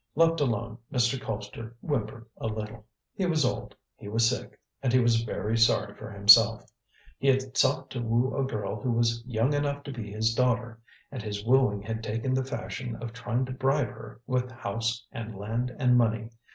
Left alone, Mr. Colpster whimpered a little. He was old, he was sick, and he was very sorry for himself. He had sought to woo a girl who was young enough to be his daughter, and his wooing had taken the fashion of trying to bribe her with house and land and money.